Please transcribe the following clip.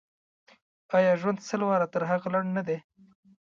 آیا ژوند سل واره تر هغه لنډ نه دی.